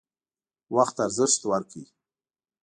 وخت ارزښت ورکړئ